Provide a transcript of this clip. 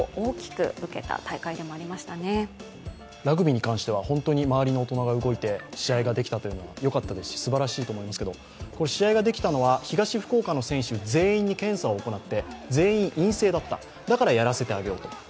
ラグビーに関しては本当に周りの大人が動いて試合ができたというのがよかったですしすばらしいと思いますけど試合ができたのは東福岡の選手全員に検査を行って全員陰性だった、だからやらせてあげようと。